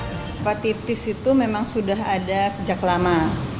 hepatitis itu memang sudah ada sejak lama